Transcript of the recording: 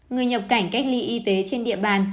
người nhập cảnh cách ly y tế trên địa bàn